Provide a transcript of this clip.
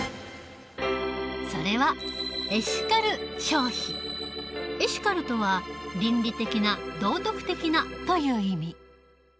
それはエシカルとは「倫理的な」「道徳的な」という意味。